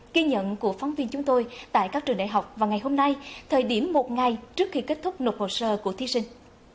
ghi nhận của phóng viên chúng tôi tại các trường đại học vào ngày hôm nay thời điểm một ngày trước khi kết thúc nộp hồ sơ của thí sinh